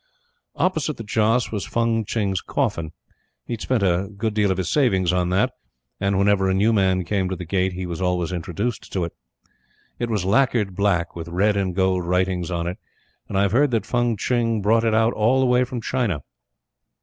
Opposite the Joss was Fung Tching's coffin. He had spent a good deal of his savings on that, and whenever a new man came to the Gate he was always introduced to it. It was lacquered black, with red and gold writings on it, and I've heard that Fung Tching brought it out all the way from China.